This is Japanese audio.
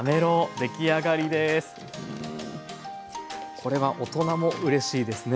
これは大人もうれしいですね。